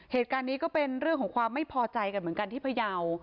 เหตุการณ์นี้ก็เป็นเรื่องของความไม่พอใจกันเหมือนกันที่พยาว